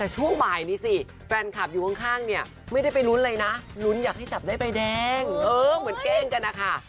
ช่วงบ่ายนี้สิแฟนคลับอยู่ข้างเนี่ยไม่ได้ไปลุ้นเลยนะลุ้นอยากให้จับได้ใบแดงเหมือนเก้งกันนะคะ